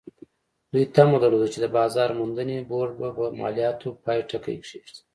دوی تمه درلوده چې د بازار موندنې بورډ به پر مالیاتو پای ټکی کېږدي.